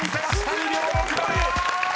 ２秒６７！］